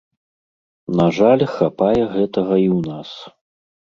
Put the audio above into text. На жаль, хапае гэтага і ў нас.